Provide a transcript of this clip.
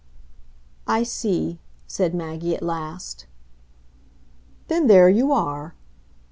"I see," said Maggie at last. "Then there you are."